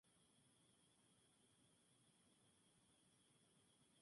Esta medida tenía como objetivo destruir la hegemonía de esa ciudad.